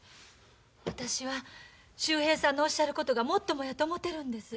私は秀平さんのおっしゃることがもっともやと思てるんです。